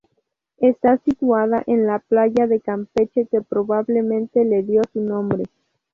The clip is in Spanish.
Está situada en la playa de Campeche, que probablemente le dio su nombre.